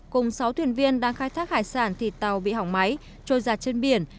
cùng sáu thuyền viên đang khai thác hải sản thì tàu bị hỏng máy trôi giặt trên biển